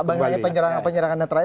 bang nenek penyerangan penyerangan netral